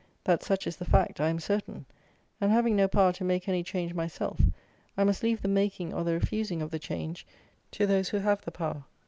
That such is the fact I am certain; and having no power to make any change myself, I must leave the making or the refusing of the change to those who have the power.